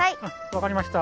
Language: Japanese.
わかりました。